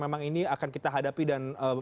memang ini akan kita hadapi dan